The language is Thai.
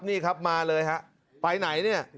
นี่ครับมาเลยฮะไปไหนเนี่ย